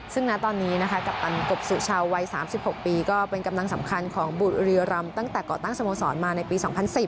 ซึ่งณตอนนี้นะคะกัปตันกบสุชาวัย๓๖ปีก็เป็นกำลังสำคัญของบุรีรำตั้งแต่ก่อตั้งสโมสรมาในปี๒๐๑๐